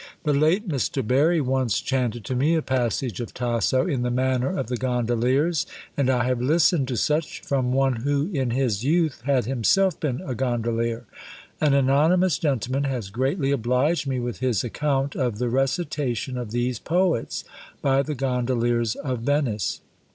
The late Mr. Barry once chanted to me a passage of Tasso in the manner of the gondoliers; and I have listened to such from one who in his youth had himself been a gondolier. An anonymous gentleman has greatly obliged me with his account of the recitation of these poets by the gondoliers of Venice.